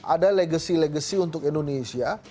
ada legacy legacy untuk indonesia